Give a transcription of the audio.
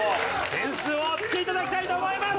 点数をおつけ頂きたいと思います！